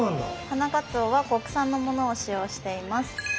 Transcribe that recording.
花かつおは国産のものを使用しています。